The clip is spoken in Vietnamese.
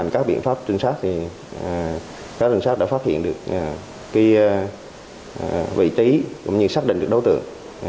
các đồng sát đã phát hiện được vị trí cũng như xác định được đối tượng